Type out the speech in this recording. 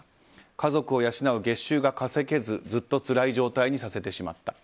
家族を養う月収が稼げずずっとつらい状態にさせてしまった。